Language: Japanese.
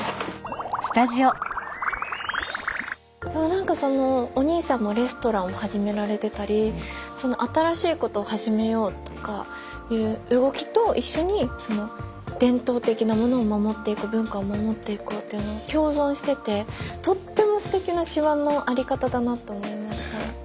何かお兄さんもレストランを始められてたり新しいことを始めようとかいう動きと一緒に伝統的なものを守っていく文化を守っていこうというのを共存しててとってもすてきな島の在り方だなって思いました。